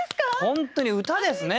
本当に歌ですね